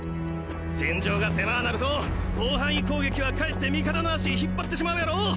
戦場が狭なると広範囲攻撃は却って味方の足引っ張ってしまうやろ。